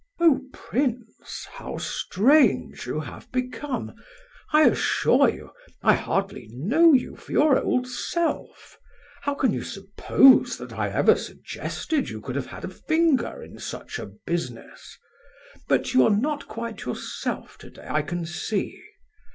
"Oh, prince, how strange you have become! I assure you, I hardly know you for your old self. How can you suppose that I ever suggested you could have had a finger in such a business? But you are not quite yourself today, I can see."